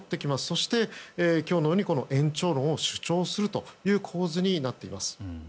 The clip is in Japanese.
そして今日のように延長論を主張するという構図になっています。